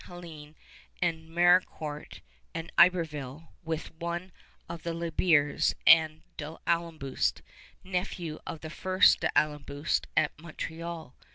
Hélène and Maricourt and Iberville, with one of the Le Bers, and D'Ailleboust, nephew of the first D'Ailleboust at Montreal.